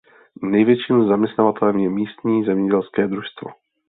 Největším zaměstnavatelem je místní zemědělské družstvo.